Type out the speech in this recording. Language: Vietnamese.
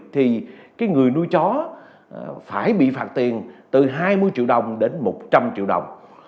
thì cái người nuôi chó phải bị phạt tiền từ hai mươi triệu đồng đến một trăm linh triệu đồng